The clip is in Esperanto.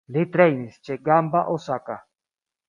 Li trejnis ĉe Gamba Osaka.